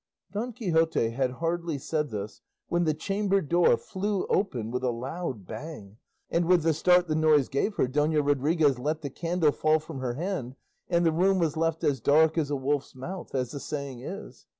Don Quixote had hardly said this, when the chamber door flew open with a loud bang, and with the start the noise gave her Dona Rodriguez let the candle fall from her hand, and the room was left as dark as a wolf's mouth, as the saying is.